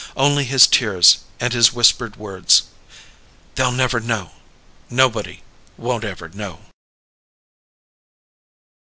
Only his tears, and his whispered words: "They'll never know. Nobody won't ever know!"